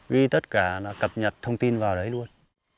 vì tất cả là cập nhật thông tin vào đấy luôn